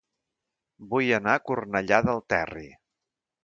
Vull anar a Cornellà del Terri